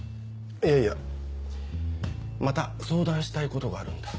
いやいやまた相談したいことがあるんだ。